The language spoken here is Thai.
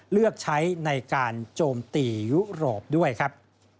เลือกใช้ในการโจมตียุโรปด้วยครับ